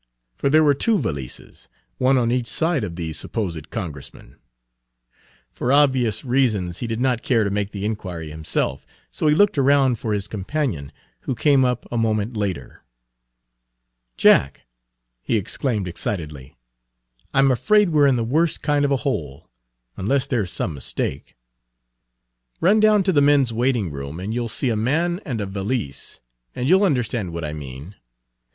For there were two valises, one on each side of the supposed Congressman. For obvious reasons he did not care to make the inquiry himself, so he looked around for his companion, who came up a moment later. "Jack," he exclaimed excitedly, "I 'm afraid we're in the worst kind of a hole, unless there 's some mistake! Run down to the men's waitingroom and you 'll see a man and a valise, and you'll understand what I mean.